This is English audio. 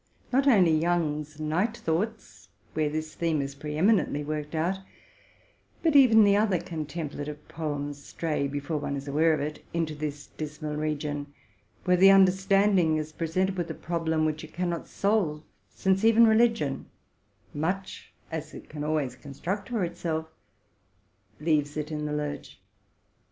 Not only Young' gat Night Thoughts,'' where this theme is pre eminently worked out, but even the other con templative poems stray, before one is aware of it, into this dismal region, where the understanding is presented with a problem which it cannot solve ; since even religion, much as it can always construct for itself, leaves it in the lurch.